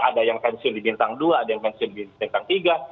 ada yang pensiun di bintang dua ada yang pensiun di bintang tiga